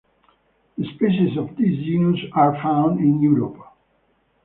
The species of this genus are found in Europe.